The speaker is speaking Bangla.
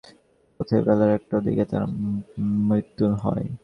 গুরুতর আহত অবস্থায় রাজশাহীতে নেওয়ার পথে বেলা একটার দিকে তাঁর মৃত্যু হয়।